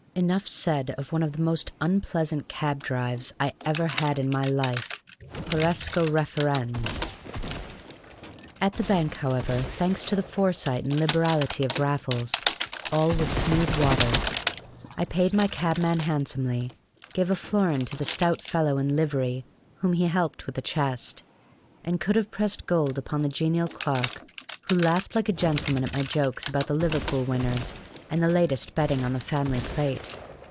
Enough said of one of the most unpleasant cab drives I ever had in my life. Horresco referens. At the bank, however, thanks to the foresight and liberality of Raffles, all was smooth water. I paid my cabman handsomely, gave a florin to the stout fellow in livery whom he helped with the chest, and could have pressed gold upon the genial clerk who laughed like a gentleman at my jokes about the Liverpool winners and the latest betting on the Family Plate.